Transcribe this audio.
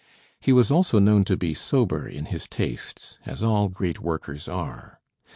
He was also known to be sober in his tastes, as all great workers are.